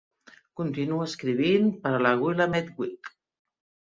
Continua escrivint per a la "Willamette Week".